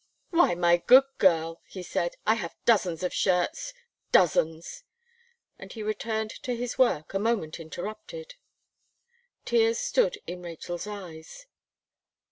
"Why, my good girl," he said, "I have dozens of shirts dozens!" And he returned to his work, a moment interrupted. Tears stood in Rachel's eyes.